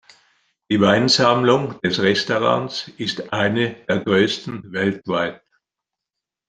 Die Weinsammlung des Restaurants ist eine der größten weltweit.